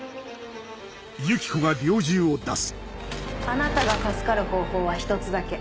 あなたが助かる方法は一つだけ。